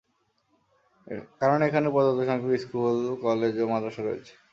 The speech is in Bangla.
কারণ এখানে পর্যাপ্ত সংখ্যক স্কুল, কলেজ ও মাদ্রাসা রয়েছে।